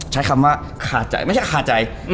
ใช้คำว่าคาใจไม่ใช่ขาใจ